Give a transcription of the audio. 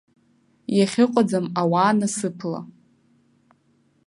Иахьыҟаӡам ауаа насыԥла.